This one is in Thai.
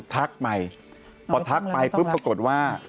ทักใหม่พอทักใหม่ปุ๊บปรากฏว่า